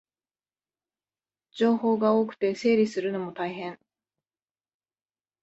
情報が多くて整理するのも大変